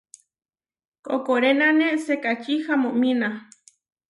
Koʼkorénane sekačí hamomína.